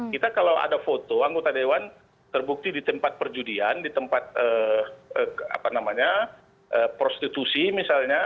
kita kalau ada foto anggota dewan terbukti di tempat perjudian di tempat prostitusi misalnya